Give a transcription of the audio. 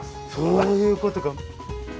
そういうことか。